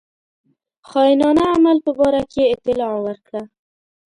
خاینانه عمل په باره کې اطلاع ورکړه.